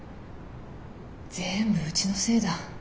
全部うちのせいだ。